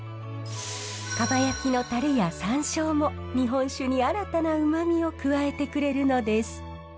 かば焼きのタレや山椒も日本酒に新たなうまみを加えてくれるのです。